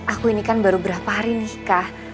aku ini kan baru berapa hari nikah